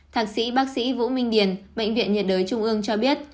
thạc sĩ bác sĩ vũ minh điền bệnh viện nhiệt đới trung ương cho biết